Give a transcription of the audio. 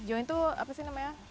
joint itu apa sih namanya